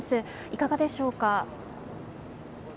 いかがでしょうか。